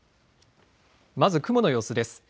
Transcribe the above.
まず雲の様子です。